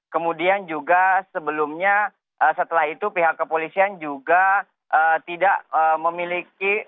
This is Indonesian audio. kemudian juga sebelumnya setelah itu pihak kepolisian juga tidak memiliki